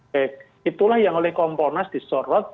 baik itulah yang oleh komponas disorot